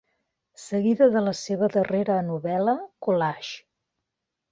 Seguida de la seva darrera novel·la "Collages".